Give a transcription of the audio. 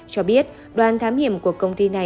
cho biết đoàn thám hiểm của công ty này